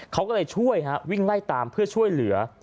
เขาก็เลยช่วยฮะวิ่งไล่ตามเพื่อช่วยเหลือ